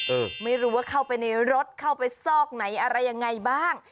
เออไม่รู้ว่าเข้าไปในรถเข้าไปซอกไหนอะไรยังไงบ้าง